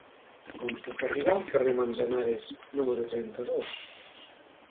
Com puc arribar al carrer de Manzanares número trenta-dos?